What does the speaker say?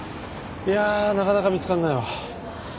いやあなかなか見つからないわ。